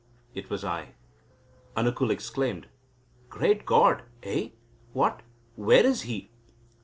It was I." Anukul exclaimed: "Great God! Eh! What! Where is he?"